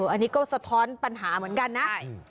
อันนี้ก็สะท้อนปัญหาเหมือนกันนะ